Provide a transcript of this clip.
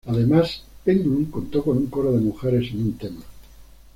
Además, "Pendulum" contó con un coro de mujeres en un tema.